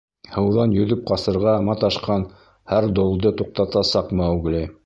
Һыуҙан йөҙөп ҡасырға маташҡан һәр долды туҡтатасаҡ Маугли.